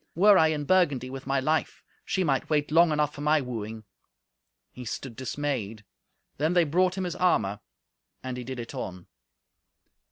Were I in Burgundy with my life, she might wait long enough for my wooing." He stood dismayed. Then they brought him his armour, and he did it on.